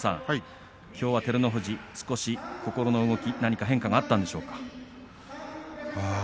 きょうは照ノ富士、少し心の動き変化があったんでしょうか。